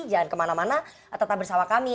jangan kemana mana tetap bersama kami